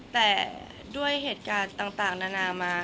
แต่ด้วยเหตุการณ์ต่างนานามา